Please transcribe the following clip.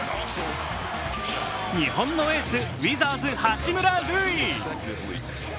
日本のエース、ウィザーズ・八村塁。